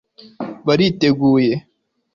bariteguye